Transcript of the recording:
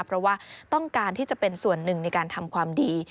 เพราะว่าต้องการที่จะเป็นส่วนหนึ่งในการทำความดี